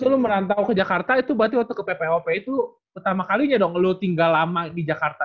dulu merantau ke jakarta itu berarti waktu ke ppop itu pertama kalinya dong lu tinggal lama di jakarta